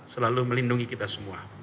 selalu melindungi kita semua